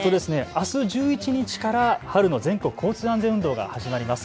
あす１１日から春の全国交通安全運動が始まります。